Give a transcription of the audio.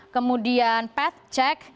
kemudian path cek